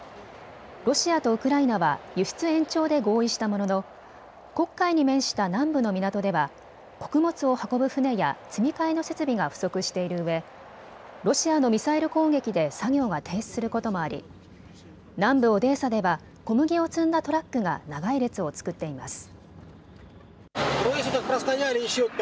ロシアとウクライナは輸出延長で合意したものの黒海に面した南部の港では穀物を運ぶ船や積み替えの設備が不足しているうえ、ロシアのミサイル攻撃で作業が停止することもあり南部オデーサでは小麦を積んだトラックが長い列を作っています。